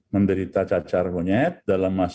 menderita cacar monyet dalam masa